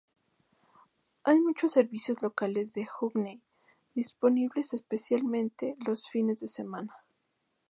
Hay muchos servicios locales de Hackney disponibles especialmente los fines de semana.